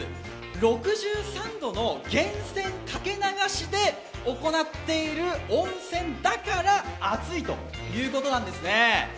６３度の源泉かけ流しで行っている温泉だから熱いということなんですね。